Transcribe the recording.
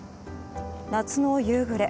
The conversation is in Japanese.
夏の夕暮れ